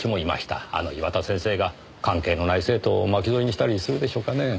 あの岩田先生が関係のない生徒を巻き添えにしたりするでしょうかねぇ？